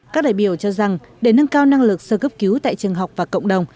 các đại biểu cho rằng để nâng cao năng lực sơ cấp cứu tại trường học và cộng đồng